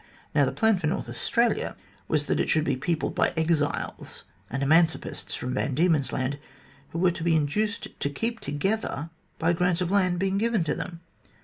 Now the plan of North Australia was that it should be peopled by exiles and emancipists from Van Diemen's Land, who were to be induced to keep together by grants of land being given to them.